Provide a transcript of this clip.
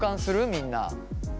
みんな。